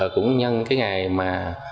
cũng nhân cái ngày mà